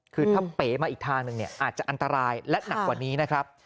คือถ้าเป๋มาอีกทางหนึ่งเนี่ยอาจจะอันตรายและหนักกว่านี้นะครับ